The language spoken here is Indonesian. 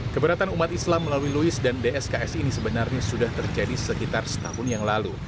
keberatan umat islam melalui louis dan dsks ini sebenarnya sudah terjadi sekitar setahun yang lalu